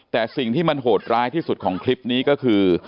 แต่สิ่งที่มันโหดร้ายที่สุดของคลิปนี้ก็คือ